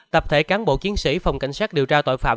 tập thể cán bộ chiến sĩ phòng cảnh sát điều tra tội phạm